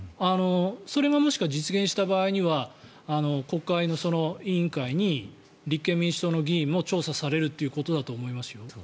それがもし実現した場合には国会の委員会に立憲民主党の議員も調査されるということだと思いますよ。